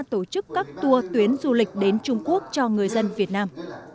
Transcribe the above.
tổ chức các tour tuyến du lịch đến trung quốc cho người dân việt nam